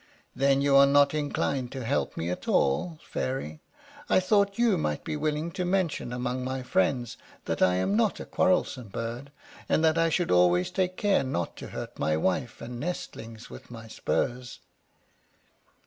"Then you are not inclined to help me at all, Fairy? I thought you might be willing to mention among my friends that I am not a quarrelsome bird, and that I should always take care not to hurt my wife and nestlings with my spurs."